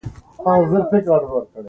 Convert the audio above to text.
د بې ګټې او ګټورو کارونو ترمنځ فرق وپېژني.